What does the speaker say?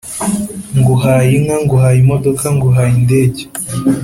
nguhaye inka, nguhaye imodoka, nguhaye indege